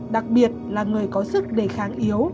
đặc biệt là người có sức đề kháng yếu